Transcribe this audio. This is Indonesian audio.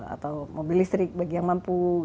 atau mobil listrik bagi yang mampu